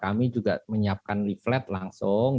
kami juga menyiapkan leaflet langsung